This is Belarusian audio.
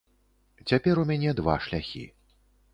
Цяпер у мяне два шляхі.